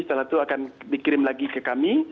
setelah itu akan dikirim lagi ke kami